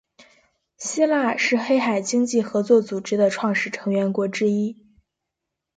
希腊是黑海经济合作组织的创始成员国之一。